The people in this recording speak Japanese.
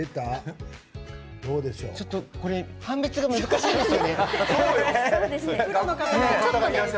ちょっとこれ判別が難しいですよね。